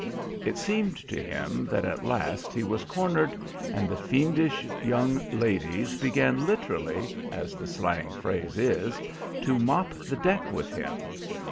It seemed to him that at last he was cornered, and the fiendish young ladies began literally, as the slang phrase is, to mop the deck with him.